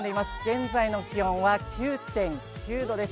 現在の気温は９．９度です。